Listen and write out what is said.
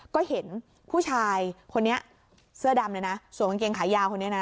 ก็เห็นผู้ชายคนนี้เสื้อดำเลยนะสวมกางเกงขายาวคนนี้นะ